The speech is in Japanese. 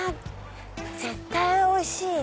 絶対おいしいね。